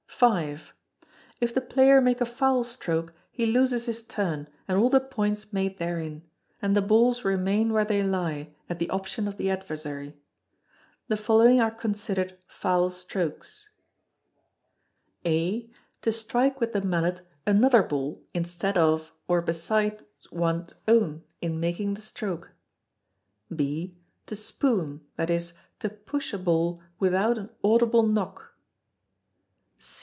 v. If the player make a foul stroke he loses his turn and all the points made therein, and the balls remain where they lie, at the option of the adversary. The following are considered foul strokes: (a) To strike with the mallet another ball instead of or besides one's own in making the stroke. (b) To spoon, that is, to push a ball without an audible knock.